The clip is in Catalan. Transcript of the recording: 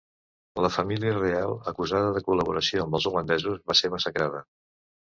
La família reial, acusada de col·laboració amb els holandesos, va ser massacrada.